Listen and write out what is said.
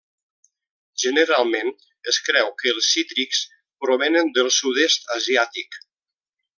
Generalment es creu que els cítrics provenen del Sud-est asiàtic.